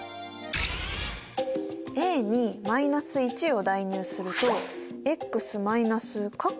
に−１を代入すると−？